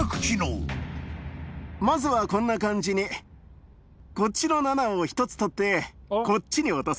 まずはこんな感じにこっちの「７」を１つ取ってこっちに落とす。